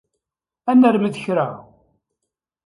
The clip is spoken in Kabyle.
Ad narmet kra!